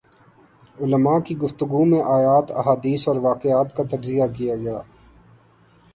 علماء کی گفتگو میں آیات ، احادیث اور واقعات کا تجزیہ کیا گیا